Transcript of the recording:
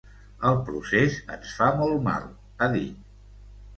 El procés ens fa molt mal, ha dit.